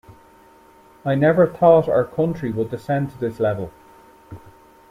I never thought our country would descend to this level.